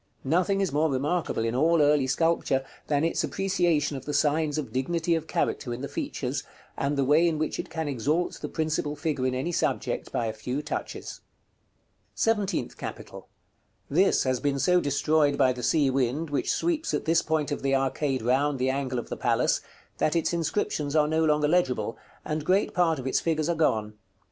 Nothing is more remarkable in all early sculpture, than its appreciation of the signs of dignity of character in the features, and the way in which it can exalt the principal figure in any subject by a few touches. § CV. SEVENTEENTH CAPITAL. This has been so destroyed by the sea wind, which sweeps at this point of the arcade round the angle of the palace, that its inscriptions are no longer legible, and great part of its figures are gone.